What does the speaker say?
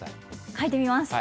書いてみます。